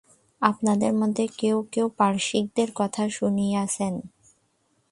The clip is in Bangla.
আপনাদের মধ্যে কেহ কেহ পারসীকদের কথা শুনিয়াছেন।